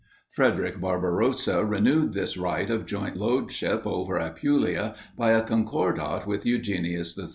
Frederic Barbarossa renewed this right of joint lordship over Apulia by a concordat with Eugenius III.